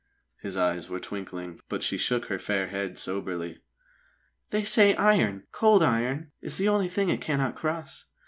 His eyes were twinkling, but she shook her fair head soberly. "They say iron cold iron is the only thing it cannot cross.